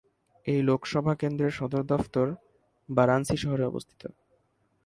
এই লোকসভা কেন্দ্রের সদর দফতর বারাণসী শহরে অবস্থিত।